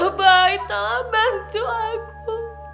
sama suami aku boy tolong bantu aku